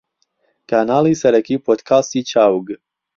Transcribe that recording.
کەناڵی سەرەکی پۆدکاستی چاوگ